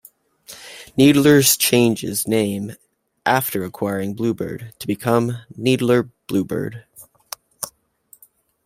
Needler's changes name after acquiring Blue Bird to become Needler Bluebird.